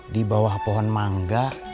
di bawah pohon mangga